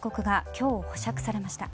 今、保釈されました。